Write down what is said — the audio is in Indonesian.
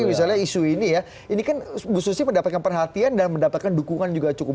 misalnya isu ini ya ini kan susu pendapatan perhatian dan mendapatkan dukungan juga cukup